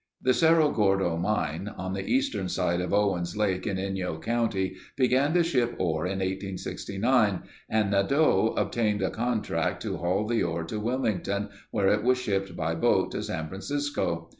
The Cerro Gordo mine, on the eastern side of Owens Lake in Inyo County began to ship ore in 1869 and Nadeau obtained a contract to haul the ore to Wilmington where it was shipped by boat to San Francisco.